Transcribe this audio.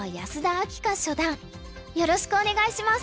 王銘九段よろしくお願いします。